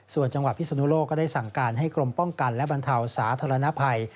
ส่วนจังหวัดพิศนุโลกก็ได้สั่งการให้กรมป้องกันและบรรเทาสาธารณภัย